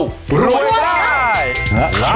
รวยได้